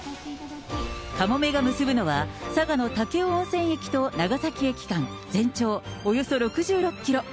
かもめが結ぶのは、佐賀の武雄温泉駅と長崎駅間、全長およそ６６キロ。